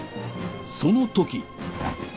その時。